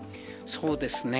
そうですね。